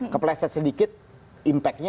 kepleset sedikit impactnya